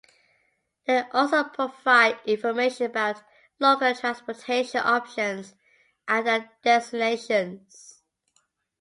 They also provide information about local transportation options at the destinations.